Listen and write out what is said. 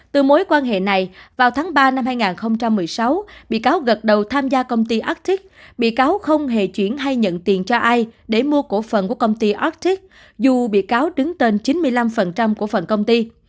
từ mối quan hệ này vào tháng ba năm hai nghìn một mươi sáu bị cáo gật đầu tham gia công ty artix bị cáo không hề chuyển hay nhận tiền cho ai để mua cổ phần của công ty ortic dù bị cáo đứng tên chín mươi năm cổ phần công ty